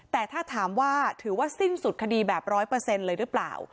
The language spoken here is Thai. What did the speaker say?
แต่ถ้าถามว่าถือว่าสิ้นสุดคดีแบบร้อยเปอร์เซ็นต์เลยหรือเปล่า